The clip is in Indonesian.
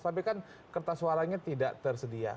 tapi kan kertas suaranya tidak tersedia